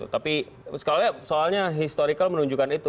tapi soalnya historical menunjukkan itu